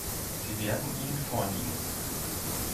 Sie werden Ihnen vorliegen.